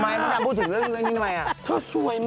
ทำไมมันจะพูดถึงเรื่องนี้กันทำไม